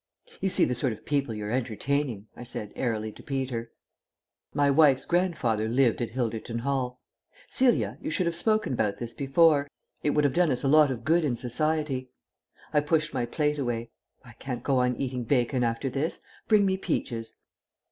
"You see the sort of people you're entertaining," I said airily to Peter. "My wife's grandfather lived at Hilderton Hall. Celia, you should have spoken about this before. It would have done us a lot of good in Society." I pushed my plate away. "I can't go on eating bacon after this. Bring me peaches."